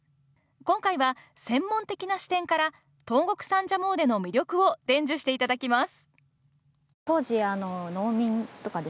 今回は専門的な視点から東国三社詣の魅力を伝授していただきます。